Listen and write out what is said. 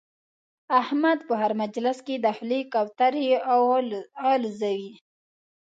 احمد په هر مجلس کې د خولې کوترې اولوزوي.